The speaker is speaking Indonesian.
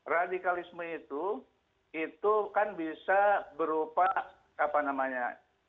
radikalisme itu itu kan bisa berupa apa namanya